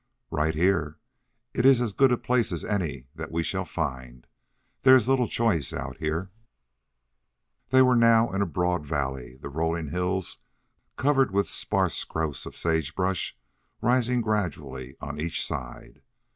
"Right here. It is as good a place as any that we shall find. There is little choice out here." They were now in a broad valley, the rolling hills covered with a sparse growth of sage brush rising gradually on each side.